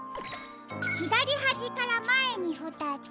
ひだりはじからまえにふたつ。